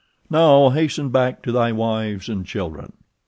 "Now hasten back to thy wives and children."